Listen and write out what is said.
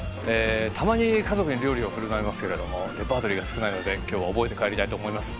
たまに家族に料理をふるまいますけれどもレパートリーが少ないので今日は覚えて帰りたいと思います。